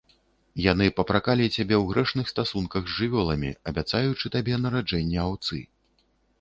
Яны папракалі цябе ў грэшных стасунках з жывёламі, абяцаючы табе нараджэнне аўцы.